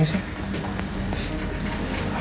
gak usah nangis ya